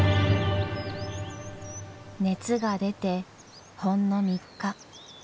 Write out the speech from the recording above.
熱が出てほんの３日。